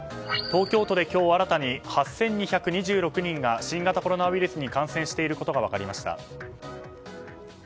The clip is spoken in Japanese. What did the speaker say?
東京都で今日新たに８２２６人が新型コロナウイルスに感染していることが分かりました。